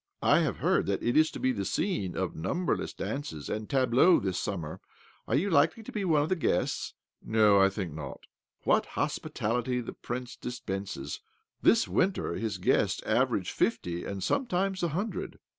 I have heard that it is to be the scene of numberless dances and tableaux this summer. Are you likely to be one of the guests ?"" No— I think not." " What hospitality the Prince dispenses I This winter his guests averaged fifty, and sometimes a hundred."